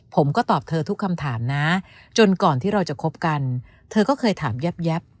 ผมก็ตอบเธอทุกคำถามนะจนก่อนที่เราจะคบกันเธอก็เคยถามแยบ